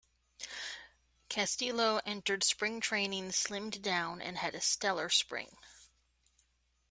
Castillo entered spring training slimmed down and had a stellar spring.